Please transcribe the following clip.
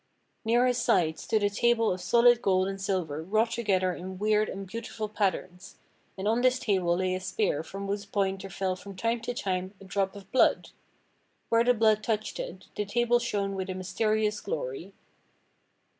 Near his side stood a table of solid gold and silver wrought together in weird and beautiful patterns, and on this table lay a spear from whose point there fell from time to time a drop of blood. Where the blood touched it, the table shone with a myste rious glory.